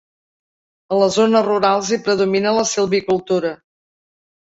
A les zones rurals hi predomina la silvicultura.